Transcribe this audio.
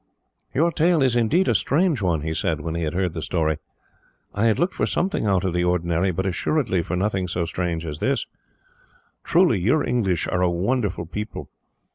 "Your tale is indeed a strange one," he said, when he had heard the story. "I had looked for something out of the ordinary, but assuredly for nothing so strange as this. Truly you English are a wonderful people.